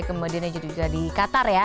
kemudian juga di qatar ya